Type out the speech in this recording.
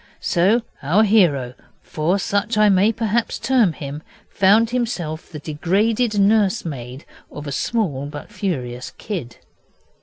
So our hero, for such I may perhaps term him, found himself the degraded nursemaid of a small but furious kid.